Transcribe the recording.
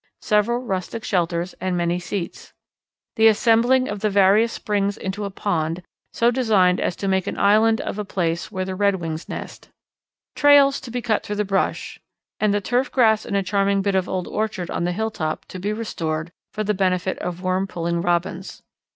Several rustic shelters and many seats. "The assembling of the various springs into a pond, so designed as to make an island of a place where the Redwings nest. "Trails to be cut through the brush and the turf grass in a charming bit of old orchard on the hilltop, to be restored for the benefit of worm pulling Robins.